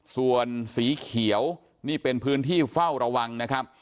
ส่วนสีเขียวนี่เป็นพื้นที่เฝ้าระวังนะครับ